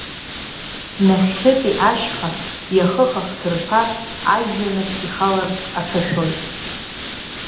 Нахьхьытәи ашьха, иахых ахҭырԥа, ажәҩанахь ихаларц аҽашәоит.